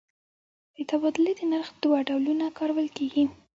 د تبادلې د نرخ دوه ډولونه کارول کېږي.